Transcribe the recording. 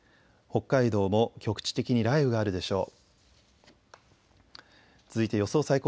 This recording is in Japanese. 北海道も局地的に雷雨があるでしょう。